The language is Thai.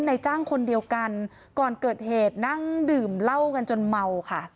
ในจ้างคนเดียวกันก่อนเกิดเหตุนั่งดื่มเหล้ากันจนเมาค่ะ